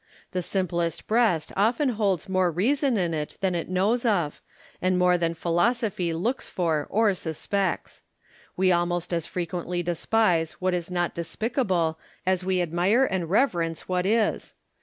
The simplest breast often holds more reason in it than it knows of, and more than Philosophy looks for or suspects. We almost as frequently despise what is not despicable as we admire and reverence what is.